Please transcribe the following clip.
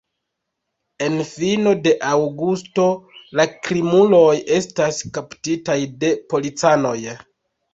En fino de aŭgusto la krimuloj estas kaptitaj de policanoj.